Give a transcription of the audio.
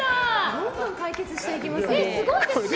どんどん解決していきますね。